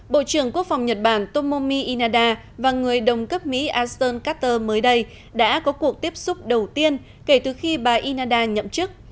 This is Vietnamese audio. bộ trưởng quốc phòng nhật bản tomomina và người đồng cấp mỹ aston carter mới đây đã có cuộc tiếp xúc đầu tiên kể từ khi bà canada nhậm chức